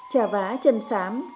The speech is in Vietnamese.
trà vá chân sám